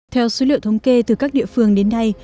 theo số liệu thống kê từ các địa phương đến nay